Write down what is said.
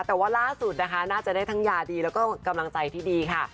แต่ว่าล่าสุดนะคะน่าจะได้ทั้งยาดีแล้วก็กำลังใจที่ดีค่ะ